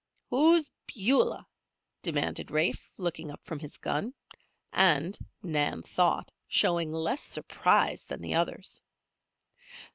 "Who's Beulah?" demanded Rafe, looking up from his gun and, Nan thought, showing less surprise than the others.